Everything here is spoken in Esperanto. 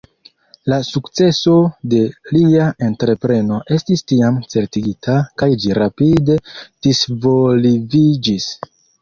La sukceso de lia entrepreno estis tiam certigita kaj ĝi rapide disvolviĝis.